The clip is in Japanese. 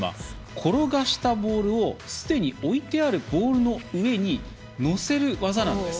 転がしたボールをすでに置いてあるボールの上に乗せる技なんです。